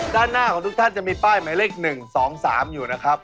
ด้านหน้าของทุกท่านจะมีป้ายหมายเลข๑๒๓อยู่นะครับ